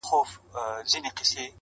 هم سلوک هم یې رفتار د ملکې وو٫